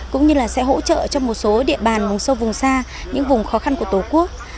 cũng như là sẽ hỗ trợ cho một số địa bàn vùng sâu vùng xa những vùng khó khăn của tổ quốc